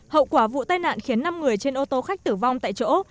hậu quả vụ tai nạn khiến năm người trên ô tô khách tử vong tại chỗ